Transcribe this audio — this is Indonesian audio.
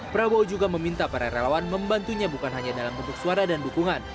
prabowo juga meminta para relawan membantunya bukan hanya dalam bentuk suara dan dukungan